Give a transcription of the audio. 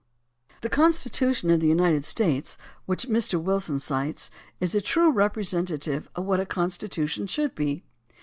The Constitution of the United States, which Mr. Wilson cites, is a true representative of what a con stitution should be.